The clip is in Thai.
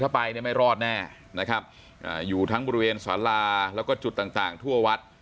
ถ้าไปไม่รอดแน่อยู่ทั้งบริเวณสาลาแล้วก็จุดต่างทั่ววัด